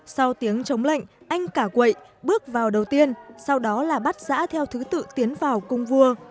sau tiếng chống lệnh anh cả quậy bước vào đầu tiên sau đó là bắt giã theo thứ tự tiến vào cung vua